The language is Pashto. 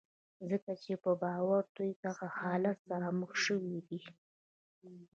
ځکه چې په باور يې دوی له دغه حالت سره مخ شوي دي.